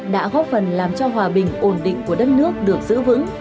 đã góp phần làm cho hòa bình ổn định của đất nước được giữ vững